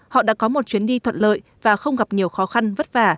họ đã có một chuyến đi thuận lợi và không gặp nhiều khó khăn vất vả